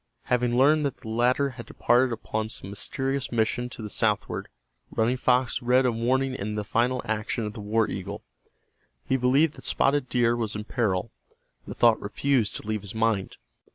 Having learned that the latter had departed upon some mysterious mission to the southward, Running Fox read a warning in the final action of the war eagle. He believed that Spotted Deer was in peril. The thought refused to leave his mind.